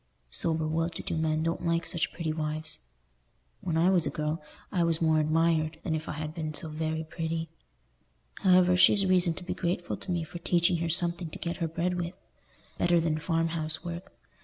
Sober well to do men don't like such pretty wives. When I was a girl, I was more admired than if I had been so very pretty. However, she's reason to be grateful to me for teaching her something to get her bread with, better than farm house work.